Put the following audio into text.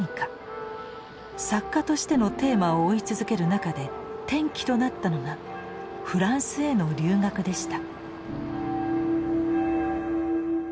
作家としてのテーマを追い続ける中で転機となったのがフランスへの留学でした。